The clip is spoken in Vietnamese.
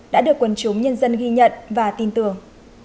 đã được quần chúng nhân dân ghi nhận và tin tưởng